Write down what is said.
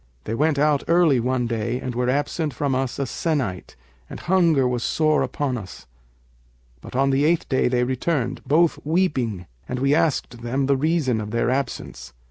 They went out early one day, and were absent from us a sennight and hunger was sore upon us; but on the eighth day they returned, both weeping, and we asked them the reason of their absence.